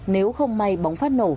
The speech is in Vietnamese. nếu không may bóng phát nổ